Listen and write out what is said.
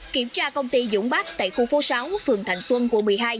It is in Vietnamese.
kiểm tra công ty dũng bắc tại khu phố sáu phường thành xuân quận một mươi hai